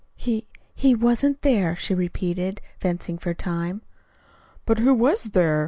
"He he wasn't there," she repeated, fencing for time. "But who was there?